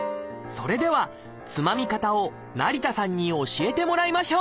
それではつまみ方を成田さんに教えてもらいましょう！